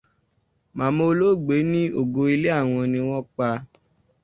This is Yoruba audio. Màmá olóògbé ní ògo ilé àwọn ni wọ́n pa.